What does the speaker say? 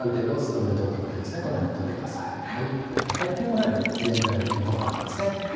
このように全体的に取ったものですね。